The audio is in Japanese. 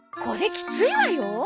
これきついわよ？